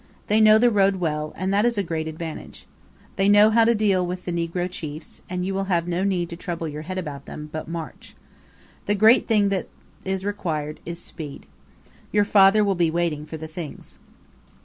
They know the road well, and that is a great advantage. They know how to deal with the negro chiefs, and you will have no need to trouble your head about them, but march. The great thing that is required is speed. Your father will be waiting for the things."